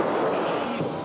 いいっすね。